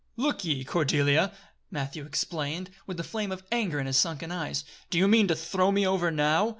"Look ye, Cordelia!" Matthew exclaimed, with the flame of anger in his sunken eyes, "do you mean to throw me over now?